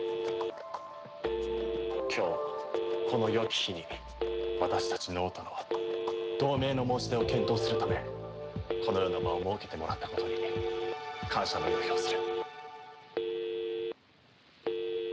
今日この良き日に私たち脳人の同盟の申し出を検討するためこのような場を設けてもらったことに感謝の意を表する。